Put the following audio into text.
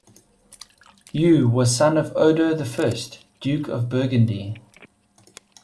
Hugh was son of Odo I, Duke of Burgundy.